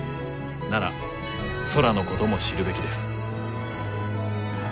なら空のことも知るべきです。